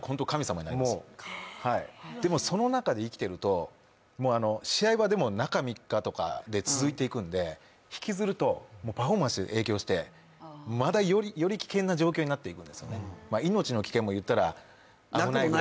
でもその中で生きてるともう試合は中３日とか続いていくので、引きずるとパフォーマンスに影響してまたより危険な状況になってくるんです、命の危険も言ったら。